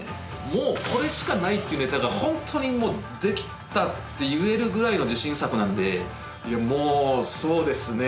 もうこれしかないってネタが本当にもう出来たって言えるぐらいの自信作なんでもうそうですね。